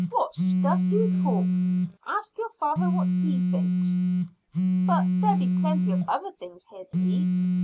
What stuff you talk! Ask your father what he thinks." "But there'd be plenty of other things here to eat.